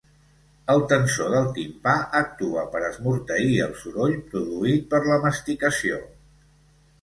El tensor del timpà actua per esmorteir el soroll produït per la masticació.